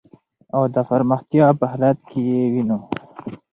او د پرمختیا په حالت کی یې وېنو .